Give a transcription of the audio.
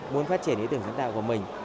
muốn phát triển ý tưởng sáng tạo của mình